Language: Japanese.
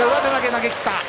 投げきった。